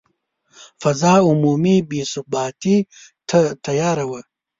فضا عمومي بې ثباتي ته تیاره وه.